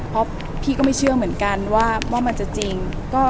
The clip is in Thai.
เพราะพี่ก็ไม่เชื่อเหมือนกันว่ามันจะจริง